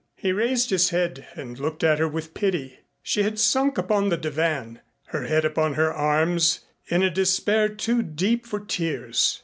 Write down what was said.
He raised his head and looked at her with pity. She had sunk upon the divan, her head upon her arms in a despair too deep for tears.